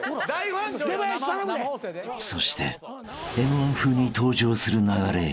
［そしてＭ−１風に登場する流れへ］